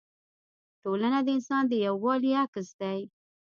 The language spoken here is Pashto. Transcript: ټولنه د انسان د یووالي عکس دی.